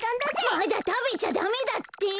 まだたべちゃだめだって！